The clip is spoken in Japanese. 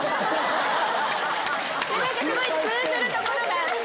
すごい通ずるところがあって。